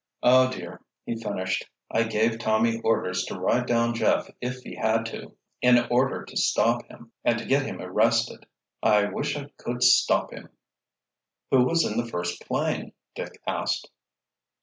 "Oh, dear," he finished. "I gave Tommy orders to ride down Jeff if he had to, in order to stop him, and to get him arrested. I wish I could stop him!" "Who was in the first 'plane?" Dick asked.